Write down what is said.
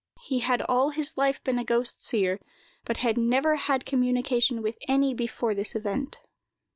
He had all his life been a ghost seer, but had never had communication with any before this event.